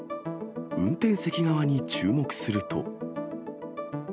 運転席側に注目すると。